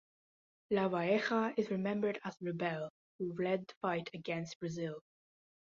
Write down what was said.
Lavalleja is remembered as a rebel who led the fight against Brazil.